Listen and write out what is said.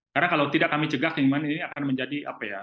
karena kalau tidak kami cegah kang iman ini akan menjadi